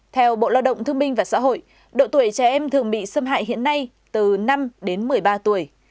theo bộ lao động thương minh và xã hội độ tuổi trẻ em thường bị xâm hại hiện nay từ năm đến một mươi ba tuổi